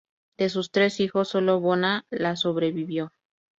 De sus tres hijos, sólo Bona la sobrevivió.